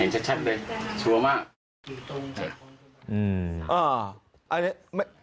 เห็นชัดเลยชัวร์มาก